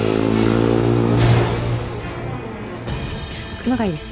熊谷です